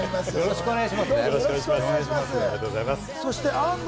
よろしくお願いします。